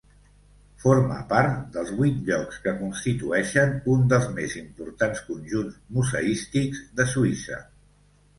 Forma part dels vuit llocs que constitueixen un dels més importants conjunts museístics de Suïssa.